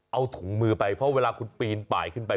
เอาถุงมือไปเพราะเวลาคุณปีนป่ายขึ้นไป